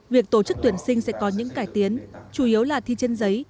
việc tổ chức tuyển sinh sẽ có những cải tiến chủ yếu là thi trên giấy